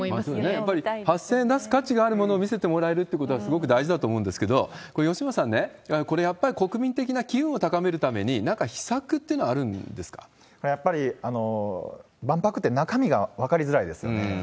やっぱり８０００円を出す価値を見せてもらえるってことは、すごく大事だと思うんですけど、これ、吉村さんね、これ、やっぱり国民的な機運を高めるために、なんか秘策ってのはあるんやっぱり万博って、中身が分かりづらいですよね。